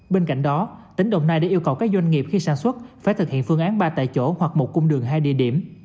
bên cạnh đó tỉnh đồng nai đã yêu cầu các doanh nghiệp khi sản xuất phải thực hiện phương án ba tại chỗ hoặc một cung đường hai địa điểm